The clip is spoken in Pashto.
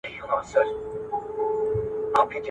چې چاپيريال ښکلي شي.